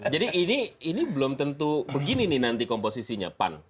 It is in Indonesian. jadi ini belum tentu begini nanti komposisinya pan